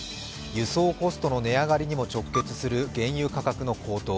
輸送コストの値上がりにも直結する原油価格の高騰。